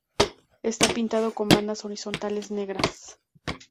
Está pintado con bandas horizontales negras.